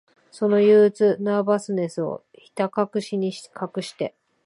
その憂鬱、ナーバスネスを、ひたかくしに隠して、